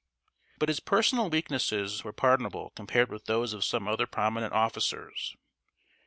] But his personal weaknesses were pardonable compared with those of some other prominent officers.